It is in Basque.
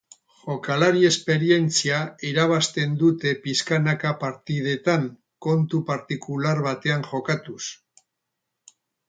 Jokalari-esperientzia irabazten dute pixkanaka partidetan kontu partikular batean jokatuz.